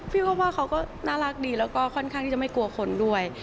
พบว่าเขาก็น่ารักดีแล้วก็ค่อนข้างที่จะไม่กลัวคนด้วย